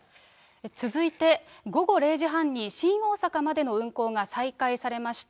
続いて午後０時半に新大阪までの運行が再開されました